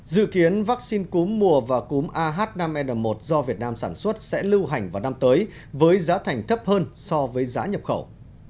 dự kiến vaccine cúm mùa và cúm ah năm n một do việt nam sản xuất sẽ lưu hành vào năm tới với giá thành thấp hơn so với giá nhập khẩu